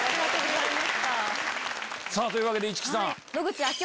というわけで市來さん。